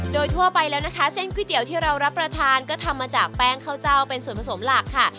โดยทั่วไปแล้วนะคะเส้นก๋วยเตี๋ยวที่เรารับประทานก็ทำมาจากแป้งข้าวเจ้าเป็นส่วนผสมหลักค่ะ